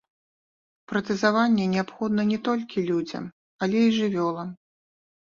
Пратэзаванне неабходна не толькі людзям, але і жывёлам.